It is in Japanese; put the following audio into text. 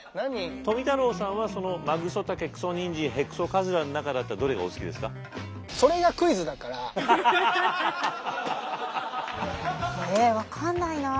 富太郎さんはそのマグソタケクソニンジンヘクソカズラの中だったらえ分かんないな。